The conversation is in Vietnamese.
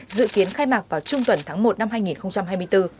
dự kiến khai mạc vào trung tuần tháng một năm hai nghìn hai mươi bốn